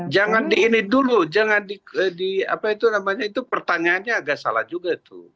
jangan di ini dulu jangan di apa itu namanya itu pertanyaannya agak salah juga tuh